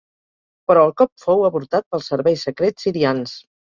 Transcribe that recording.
Però el cop fou avortat pels serveis secrets sirians.